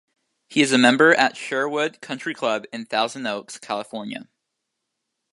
He is a member at Sherwood Country Club in Thousand Oaks, California.